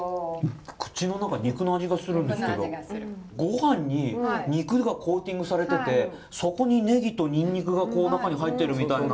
口の中肉の味がするんですけどごはんに肉がコーティングされててそこにネギとにんにくが中に入っているみたいな。